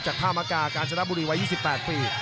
จากธามกาการชนะบุรีไว้๒๘ปี